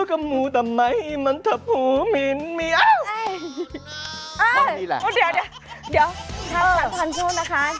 สัตว์ทันชุดนะคะ